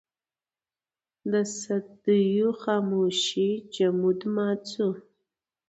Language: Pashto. د صدېو خاموشۍ جمود مات شو.